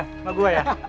sama gua ya